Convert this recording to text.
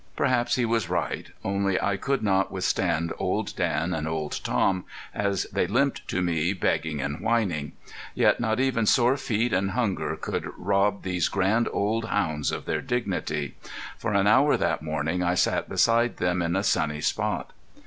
Perhaps he was right. Only I could not withstand Old Dan and Old Tom as they limped to me, begging and whining. Yet not even sore feet and hunger could rob these grand old hounds of their dignity. For an hour that morning I sat beside them in a sunny spot.